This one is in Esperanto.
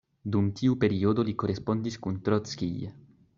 Dum tiu periodo li korespondis kun Trockij.